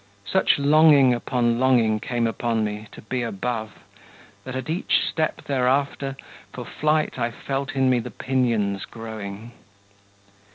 Such longing upon longing came upon me To be above, that at each step thereafter For flight I felt in me the pinions growing.